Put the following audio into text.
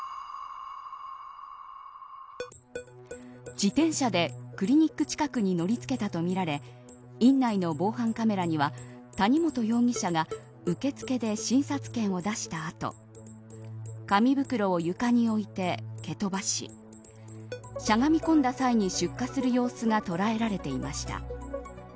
自転車でクリニック近くに乗りつけたとみられ院内の防犯カメラには谷本容疑者が受付で診察券を出した後紙袋を床に置いて蹴飛ばししゃがみ込んだ際に出火する様子が捉えられていました。